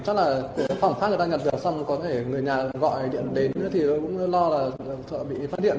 chắc là phòng khác người ta nhận được xong có thể người nhà gọi điện đến thì tôi cũng lo là bị phát điện